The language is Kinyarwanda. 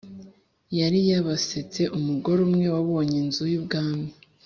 yari yabasetse Umugore umwe wabonye Inzu y Ubwami